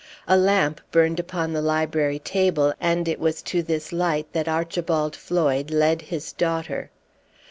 A lamp burned upon the library table, and it was to this light that Archibald Floyd led his daughter.